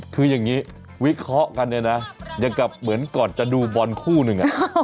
คืออย่างนี้วิเคราะห์กันเนี่ยนะอย่างกับเหมือนก่อนจะดูบอลคู่หนึ่ง